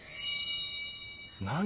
何？